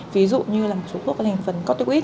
ví dụ như là một số thuốc là hành phần cotox